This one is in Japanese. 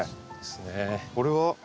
これは？